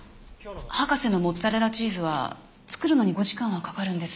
博士のモッツァレラチーズは作るのに５時間はかかるんです。